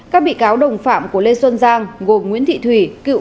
các bị cáo đồng phạm của lê xuân giang gồm nguyễn thị thủy cựu phó tổng giám đốc